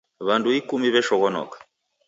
W'andu ikumi w'eshoghonoka.